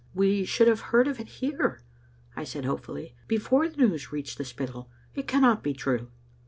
" We should have heard of it here," I said hopefully, "before the news reached the Spittal. It cannot be true."